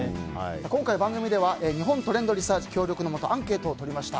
今回番組では日本トレンドリサーチ協力のもとアンケートをとりました。